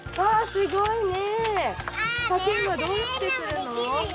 すごいね！